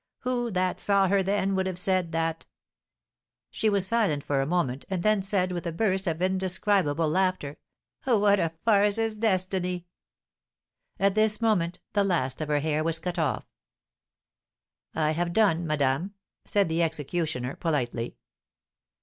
Who that saw her then would have said that " She was silent for a moment, and then said, with a burst of indescribable laughter, "What a farce is destiny!" At this moment the last of her hair was cut off. "I have done, madame," said the executioner, politely.